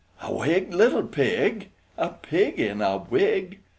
A wig, little pig! A pig in a wig!